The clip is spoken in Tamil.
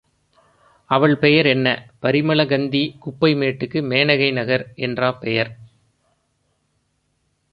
அவள் பெயர் என்ன? பரிமள கந்தி குப்பை மேட்டுக்கு மேனகை நகர் என்றா பெயர்?